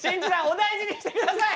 お大事にしてください！